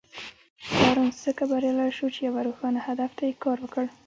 بارنس ځکه بريالی شو چې يوه روښانه هدف ته يې کار وکړ.